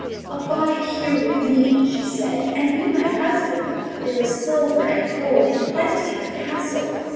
'Abide here with me,' she said, 'and be my husband. There is silver and gold in plenty in the castle.